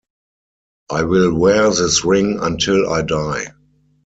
I will wear this ring until I die.